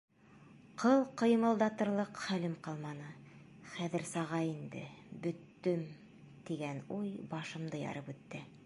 Ҡыл ҡыймылдатырлыҡ хәлем ҡалманы, «хәҙер саға инде, бөттөм» тигән уй башымды ярып үтте.